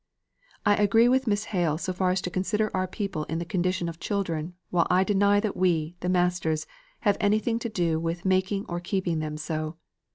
I agree with Miss Hale so far as to consider our people in the condition of children, while I deny that we, the masters, have anything to do with the making or keeping them so.